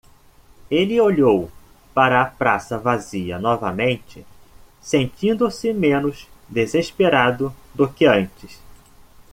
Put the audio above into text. Ele olhou para a praça vazia novamente, sentindo-se menos desesperado do que antes.